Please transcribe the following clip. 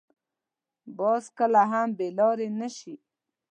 باز کله هم بې لارې نه شي